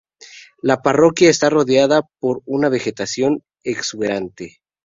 La parroquia está rodeada por una vegetación exuberante.